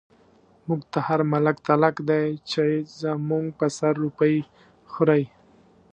موږ ته هر ملک تلک دی، چۍ زموږ په سر روپۍ خوری